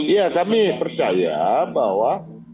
ya kami percaya bahwa